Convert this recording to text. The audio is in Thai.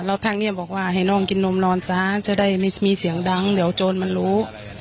แล้วทางนี้บอกว่าให้น้องกินนมนอนซะจะได้ไม่มีเสียงดังเดี๋ยวโจรมันรู้